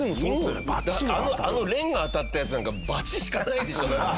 あのレンガ当たったヤツなんか罰しかないでしょだって。